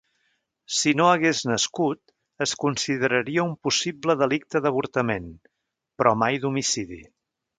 Si no hagués nascut, es consideraria un possible delicte d'avortament, però mai d'homicidi.